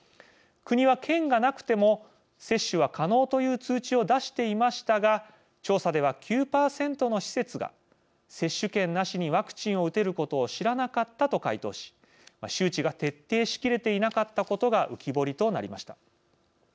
国は、券がなくても接種は可能という通知を出していましたが調査では、９％の施設が「接種券なしにワクチンを打てることを知らなかった」と回答し周知が徹底しきれていなかったことが浮き彫りとなりました。